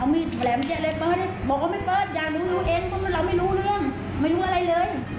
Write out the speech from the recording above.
นี่มันให้เราเปิด